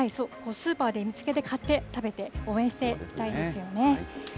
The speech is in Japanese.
スーパーで見つけて、買って、食べて、応援していきたいですよね。